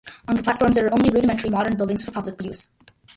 On the platforms there are only rudimentary modern buildings for public use.